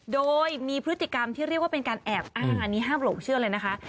โดยมีพฤติกรรมที่เรียกว่าเป็นการแอบอ้างอันนี้ห้ามหลงเชื่อเลยนะคะ